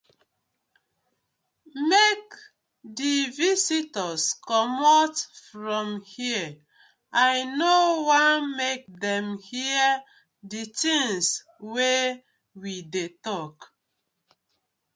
Mak di visitors comot from here I no wan mek dem hear di tinz wey we dey tok.